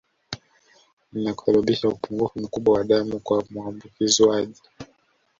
Na kusababisha upungufu mkubwa wa damu kwa muambukizwaji